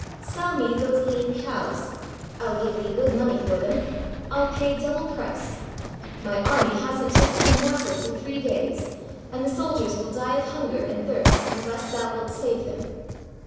Sell me those lean cows; I'll give thee good money for them. I '11 pay double price. My army has n't tasted a morsel for three days, and the soldiers will die of hunger and thirst unless thou wilt save them."